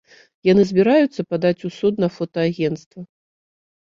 Яны збіраюцца падаць у суд на фотаагенцтва.